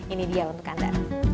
ini dia untuk anda